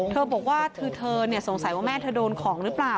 เธอบอกว่าคือเธอสงสัยว่าแม่เธอโดนของหรือเปล่า